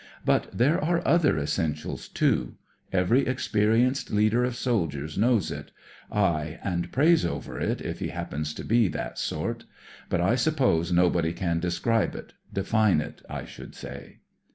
But there are other essentials, too. Every experienced leader of soldiers knows it ; aye, and prays over it, if he happens THE MORAL OF THE BOCHE 89 to be that sort. But I suppose nobody can describe it ; define it, I should say."